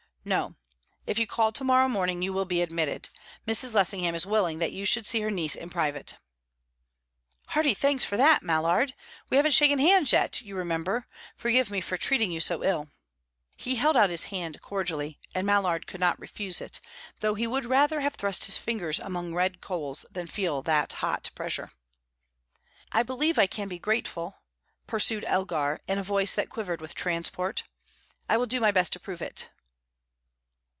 "No. If you call to morrow morning, you will be admitted. Mrs. Lessingham is willing that you should see her niece in private." "Hearty thanks for that, Mallard! We haven't shaken hands yet, you remember. Forgive me for treating you so ill." He held out his band cordially, and Mallard could not refuse it, though he would rather have thrust his fingers among red coals than feel that hot pressure. "I believe I can be grateful," pursued Elgar, in a voice that quivered with transport. "I will do my best to prove it."